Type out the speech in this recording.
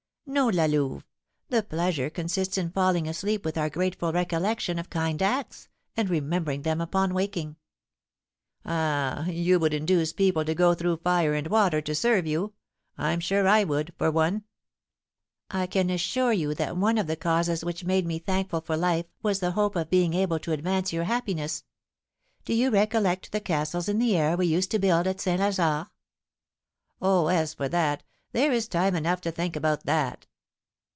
"No, La Louve; the pleasure consists in falling asleep with our grateful recollection of kind acts, and remembering them upon waking!" "Ah, you would induce people to go through fire and water to serve you! I'm sure I would, for one." "I can assure you that one of the causes which made me thankful for life was the hope of being able to advance your happiness. Do you recollect the castles in the air we used to build at St. Lazare?" "Oh, as for that, there is time enough to think about that."